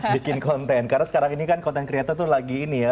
bikin konten karena sekarang ini kan konten kreator tuh lagi ini ya